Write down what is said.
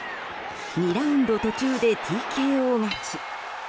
２ラウンド途中でＴＫＯ勝ち。